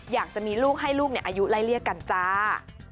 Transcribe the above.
อยากจะมีลูกให้ลูกอายุไล่เลี่ยกันจ้า